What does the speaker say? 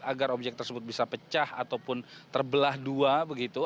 agar objek tersebut bisa pecah ataupun terbelah dua begitu